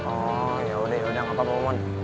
oh yaudah yaudah gak apa apa mon